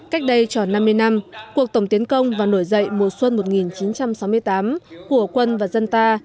cách đây tròn năm mươi năm cuộc tổng tiến công và nổi dậy mùa xuân một nghìn chín trăm sáu mươi tám của quân và dân ta